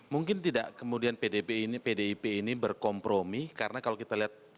mungkin tidak kemudian pdip ini berkompromi karena kalau kita lihat